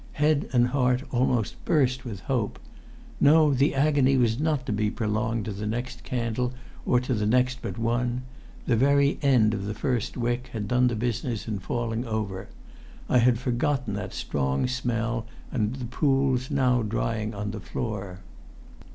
Head and heart almost burst with hope. No! the agony was not to be prolonged to the next candle, or the next but one. The very end of the first wick had done the business in falling over. I had forgotten that strong smell and the pools now drying on the floor.